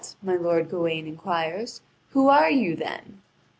my lord Gawain inquires, "who are you, then?"